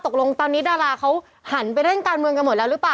ตกลงตอนนี้ดาราเขาหันไปเล่นการเมืองกันหมดแล้วหรือเปล่า